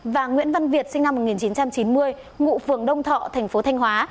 và nguyễn văn việt sinh năm một nghìn chín trăm chín mươi ngụ phường đông thọ thành phố thanh hóa